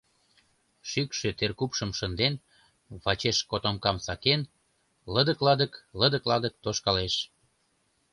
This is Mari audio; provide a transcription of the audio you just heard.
Шӱкшӧ теркупшым шынден, вачеш котомкам сакен, лыдык-ладык, лыдык-ладык тошкалеш.